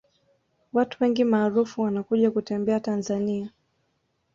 watu wengi maarufu wanakuja kutembea tanzania